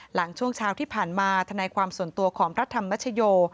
หลังช่วงเช้าที่ผ่านมาธนายความส่วนตัวของพระธรรมชโย